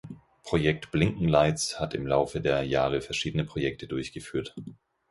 Projekt Blinkenlights hat im Laufe der Jahre verschiedene Projekte durchgeführt.